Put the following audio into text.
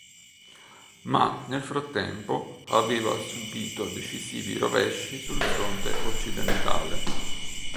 Ma, nel frattempo, aveva subito decisivi rovesci sul fronte occidentale.